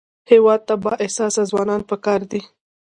هېواد ته بااحساسه ځوانان پکار دي